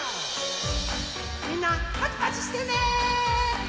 みんなパチパチしてね！